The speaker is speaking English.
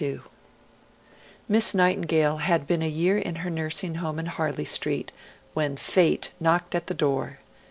II Miss NIGHTINGALE had been a year in her nursing home in Harley Street, when Fate knocked at the door.